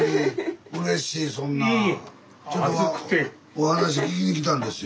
お話聞きに来たんですよ。